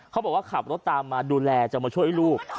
เขาบอกว่าขับรถตามมาดูแลจะมาช่วยลูก